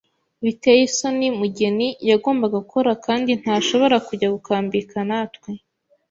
Biteye isoni Mugeni yagombaga gukora kandi ntashobora kujya gukambika natwe.